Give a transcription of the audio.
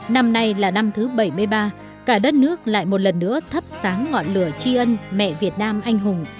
năm nay là năm thứ bảy mươi ba cả đất nước lại một lần nữa thắp sáng ngọn lửa tri ân mẹ việt nam anh hùng